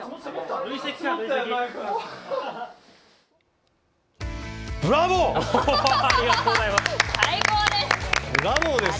ありがとうございます。